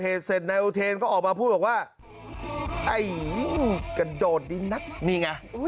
กอเหตุเสร็จนายอุเทรนก็ออกมาพูดออกว่าไอยยยกระโดดดินัทนี่ไง